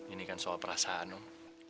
ini kan soal perasaan om